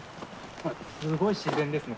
すごい自然ですね